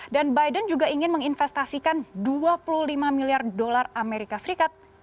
dan biden juga ingin menginvestasikan dua puluh lima miliar dolar amerika serikat